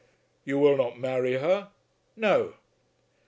"You will not marry her?" "No."